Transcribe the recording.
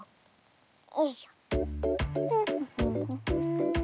よいしょ。